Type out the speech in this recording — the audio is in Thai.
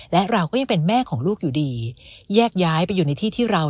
และเราก็ยังเป็นแม่ของลูกอยู่ดีแยกย้ายไปอยู่ในที่ที่เรา